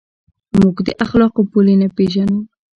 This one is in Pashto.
موږ د اخلاقو پولې نه پېژنو.